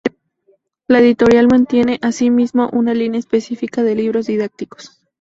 La editorial mantiene, asimismo, una línea específica de libros didácticos.